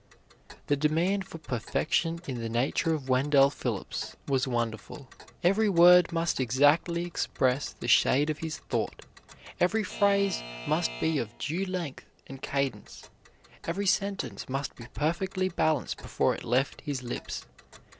The demand for perfection in the nature of Wendell Phillips was wonderful. Every word must exactly express the shade of his thought; every phrase must be of due length and cadence; every sentence must be perfectly balanced before it left his lips.